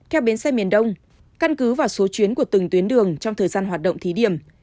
theo bến xe miền đông căn cứ vào số chuyến của từng tuyến đường trong thời gian hoạt động thí điểm